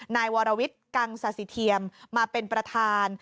นายวรวิทย์กังซาสิเทียมมาเป็นประธาน